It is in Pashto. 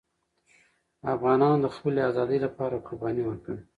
افغانانو د خپلې آزادۍ لپاره قربانۍ ورکړې.